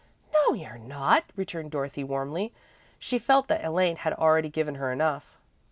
"No, you're not," returned Dorothy, warmly. She felt that Elaine had already given her enough.